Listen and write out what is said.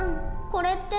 これって。